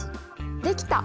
できた！